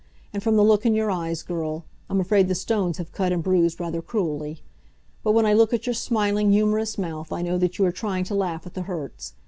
And from the look in your eyes, girl, I'm afraid the stones have cut and bruised rather cruelly. But when I look at your smiling, humorous mouth I know that you are trying to laugh at the hurts.